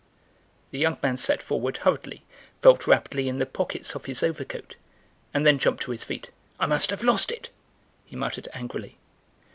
The young man sat forward hurriedly, felt rapidly in the pockets of his overcoat, and then jumped to his feet. "I must have lost it," he muttered angrily.